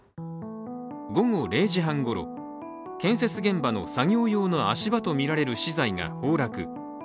午後０時半ごろ、建設現場の作業用の足場とみられる資材が崩落。